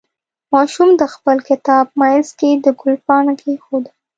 ماشوم د خپل کتاب منځ کې د ګل پاڼه کېښوده.